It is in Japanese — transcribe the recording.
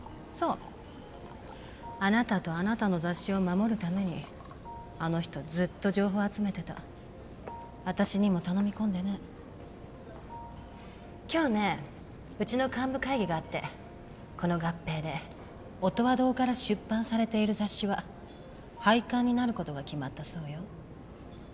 そうあなたとあなたの雑誌を守るためにあの人ずっと情報集めてた私にも頼み込んでね今日ねうちの幹部会議があってこの合併で音羽堂から出版されている雑誌は廃刊になることが決まったそうよ